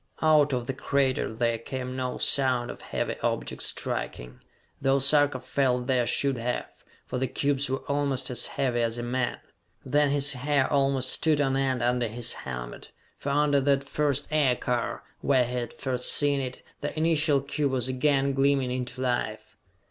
Out of the crater there came no sound of heavy objects striking, though Sarka felt there should have, for the cubes were almost as heavy as a man. Then his hair almost stood on end under his helmet, for under that first aircar, where he had first seen it, the initial cube was again gleaming into life!